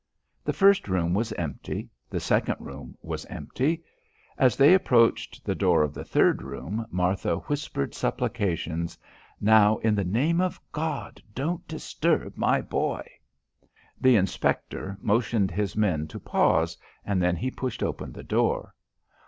The first room was empty; the second room was empty; as they approached the door of the third room, Martha whispered supplications. "Now, in the name of God, don't disturb my boy." The inspector motioned his men to pause and then he pushed open the door.